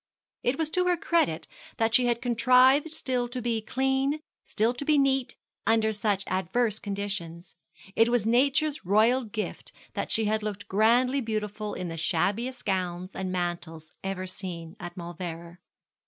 It was to her credit that she had contrived still to be clean, still to be neat, under such adverse conditions; it was Nature's royal gift that she had looked grandly beautiful in the shabbiest gowns and mantles ever seen at Mauleverer.